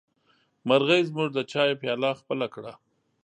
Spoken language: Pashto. مرغۍ زموږ د چايه پياله خپله کړه.